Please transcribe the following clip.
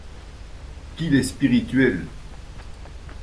Qu’il est spirituel !